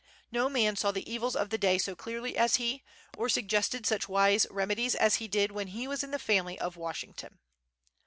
No man saw the evils of the day so clearly as he, or suggested such wise remedies as he did when he was in the family of Washington.